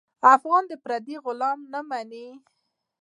افغان د پردیو غلامي نه مني.